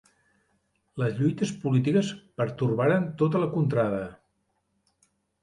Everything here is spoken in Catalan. Les lluites polítiques pertorbaren tota la contrada.